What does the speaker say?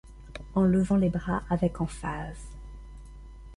en levant les bras avec emphase.